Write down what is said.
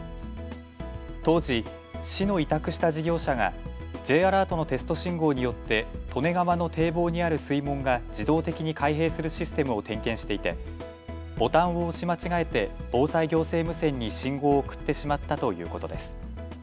当時、市の委託した事業者がＪアラートのテスト信号によって利根川の堤防にある水門が自動的に開閉するシステムを点検していてボタンを押し間違えて防災行政無線に信号を送ってしまったということです。